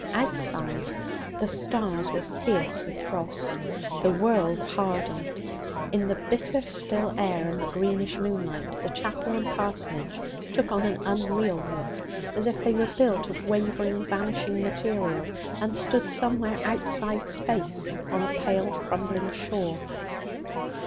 Outside, the stars were fierce with frost. The world hardened. In the bitter still air and the greenish moonlight the chapel and parsonage took on an unreal look, as if they were built of wavering, vanishing material, and stood somewhere outside space on a pale, crumbling shore.